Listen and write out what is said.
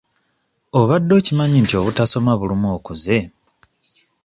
Obadde okimanyi nti obutasoma buluma okuze?